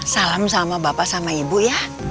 salam sama bapak sama ibu ya